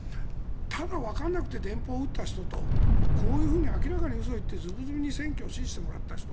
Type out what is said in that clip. ただ、わからなくて電報を打った人とこういうふうに明らかに嘘を言ってずぶずぶに選挙を支持してもらった人。